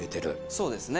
そうですね。